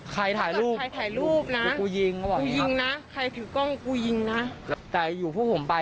ใครถ่ายรูปถ่ายรูปนะผมก็ยิงเขาก็ยิงนะไม่ถึงปากแล้วคือยิงนะแต่อยู่พวกผมไป